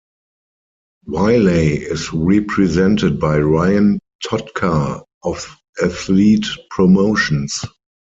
Wiley is represented by Ryan Totka of Athlete Promotions.